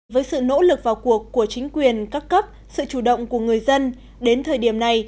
với sự nỗ lực vào cuộc của chính quyền các cấp sự chủ động của người dân đến thời điểm này